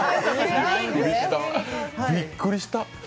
びっくりした。